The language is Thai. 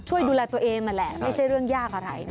ช่วยดูแลตัวเองนั่นแหละไม่ใช่เรื่องยากอะไรนะ